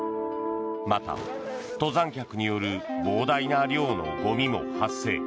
また、登山客による膨大な量のゴミも発生。